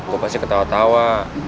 gua pasti ketawa tawa